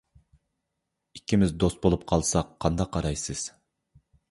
ئىككىمىز دوست بۇلۇپ قالساق قانداق قارايسىز؟